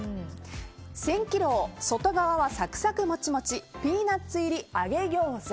千禧楼、外側はサクサクモチモチピーナッツ入り揚げ餃子。